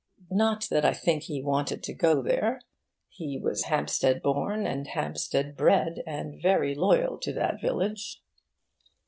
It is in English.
Not that I think he wanted to go there. He was Hampstead born and Hampstead bred, and very loyal to that village.